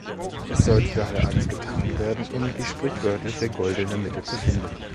Es sollte daher alles getan werden, um die sprichwörtliche goldene Mitte zu finden.